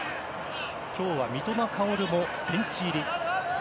今日は三笘薫もベンチ入り。